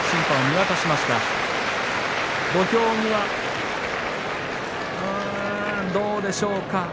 さあ、どうでしょうか。